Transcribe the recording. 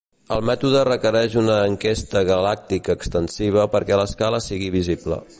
El mètode requereix una enquesta galàctica extensiva perquè l'escala sigui visible.